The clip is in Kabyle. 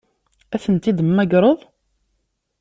Ad tent-id-temmagreḍ?